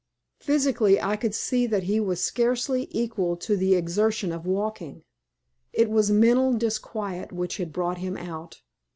Physically, I could see that he was scarcely equal to the exertion of walking. It was mental disquiet which had brought him out.